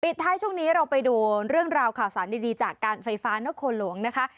ท้ายช่วงนี้เราไปดูเรื่องราวข่าวสารดีจากการไฟฟ้านครหลวงนะคะ